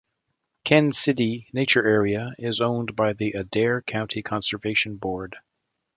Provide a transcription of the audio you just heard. Ken Sidey Nature Area is owned by the Adair County Conservation Board.